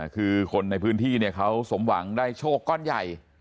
คือคนในพื้นที่เขาสมหวังได้โชคก้อนใหญ่